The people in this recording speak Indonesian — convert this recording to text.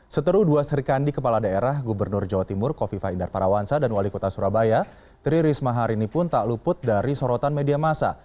seteru dua serikandi kepala daerah gubernur jawa timur kofifa indar parawansa dan wali kota surabaya tri risma hari ini pun tak luput dari sorotan media masa